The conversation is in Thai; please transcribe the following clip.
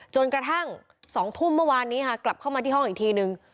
จนกระทั่ง๒ทุ่มเมื่อวานนี้ค่ะกลับเข้ามาที่ห้องอีกทีนึง